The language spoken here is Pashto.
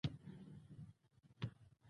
ځان په ګټه سوداګر درغلګر دي.